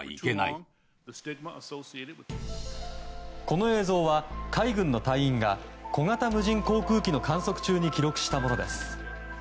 この映像は、海軍の隊員が小型無人航空機の観測中に記録したものです。